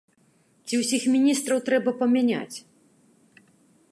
Ці ўсіх міністраў трэба памяняць?